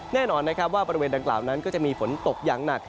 แน่นอนนะครับว่าบริเวณดังกล่าวนั้นก็จะมีฝนตกอย่างหนัก